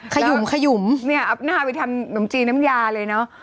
ขยุ่มขยุมเนี่ยอับหน้าไปทำหนมจีนน้ำยาเลยเนอะ